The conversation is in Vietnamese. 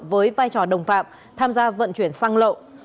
với vai trò đồng phạm tham gia vận chuyển xăng lậu